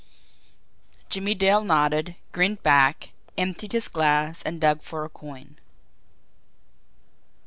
Jimmie Dale nodded, grinned back, emptied his glass, and dug for a coin.